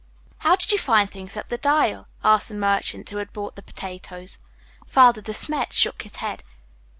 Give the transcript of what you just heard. "How did you find things up the Dyle?" asked the merchant who had bought the potatoes. Father De Smet shook his head.